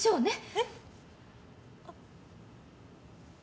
えっ？